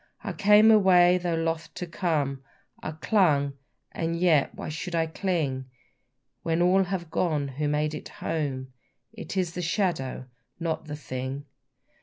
I came away, though loth to come, I clung, and yet why should I cling? When all have gone who made it home, It is the shadow, not the thing.